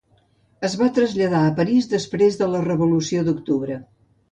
Es va traslladar a París després de la Revolució d'Octubre.